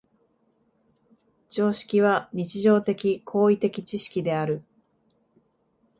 常識は日常的・行為的知識である。